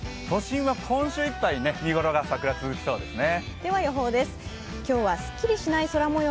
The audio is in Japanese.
都心は今週いっぱい、桜の見頃が続きそうです。